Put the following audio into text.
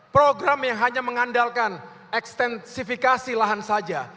program yang hanya mengandalkan ekstensifikasi lahan saja